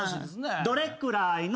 「どれくらいの」